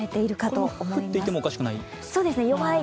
降っていてもおかしくない？